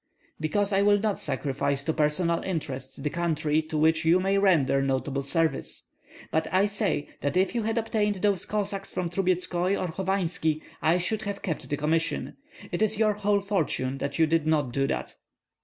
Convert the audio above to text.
"Because I will not sacrifice to personal interests the country, to which you may render notable service. But I say that if you had obtained those Cossacks from Trubetskoi or Hovanski, I should have kept the commission. It is your whole fortune that you did not do that."